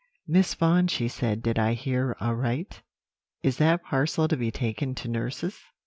"'Miss Vaughan,' she said, 'did I hear aright? Is that parcel to be taken to nurse's?'